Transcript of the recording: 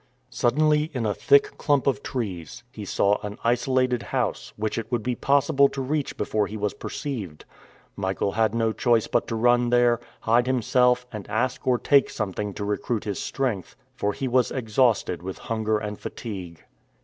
Suddenly, in a thick clump of trees, he saw an isolated house, which it would be possible to reach before he was perceived. Michael had no choice but to run there, hide himself and ask or take something to recruit his strength, for he was exhausted with hunger and fatigue.